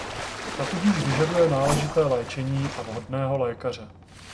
Ta tudíž vyžaduje náležité léčení a vhodného lékaře.